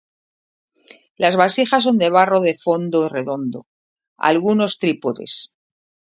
Las vasijas son de barro de fondo redondo, algunos trípodes.